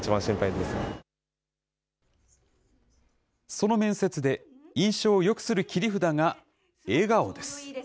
その面接で、印象をよくする切り札が、笑顔です。